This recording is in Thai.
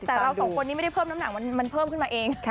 แต่เราสองคนนี้ไม่ได้เพิ่มน้ำหนักมันเพิ่มขึ้นมาเอง